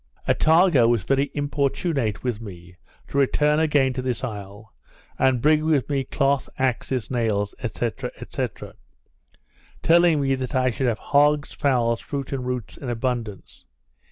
Attago was very importunate with me to return again to this isle, and to bring with me cloth, axes, nails, &c. &c. telling me that I should have hogs, fowls, fruit, and roots, in abundance.